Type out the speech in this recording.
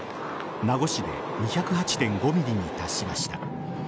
名護市で２０８．５ｍｍに達しました。